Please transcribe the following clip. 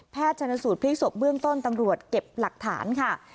ชนสูตรพลิกศพเบื้องต้นตำรวจเก็บหลักฐานค่ะ